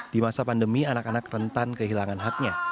di masa pandemi anak anak rentan kehilangan haknya